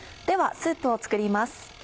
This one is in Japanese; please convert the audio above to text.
ではスープを作ります。